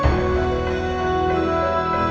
ya kita berhasil